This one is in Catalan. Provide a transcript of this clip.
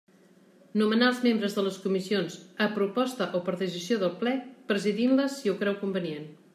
Nomenar els membres de les comissions, a proposta o per decisió del Ple, presidint-les si ho creu convenient.